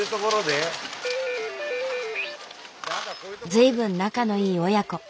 随分仲のいい親子。